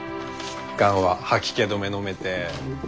がんは吐き気止めのめて。